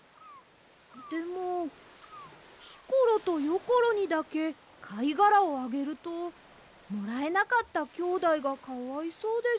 でもひころとよころにだけかいがらをあげるともらえなかったきょうだいがかわいそうです。